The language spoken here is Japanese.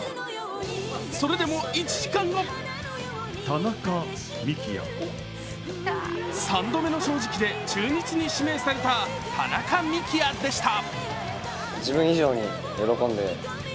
それでも１時間後三度目の正直で中日に指名された田中幹也でした。